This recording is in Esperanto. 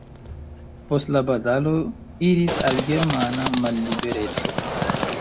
Post la batalo iris al germana mallibereco.